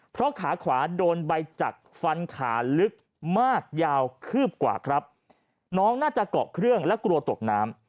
เพราะขาขวาโดนใบจักรฟันขาลึกมากยาวคืบกว่าครับน้องน่าจะเกาะเครื่องและกลัวตกน้ำ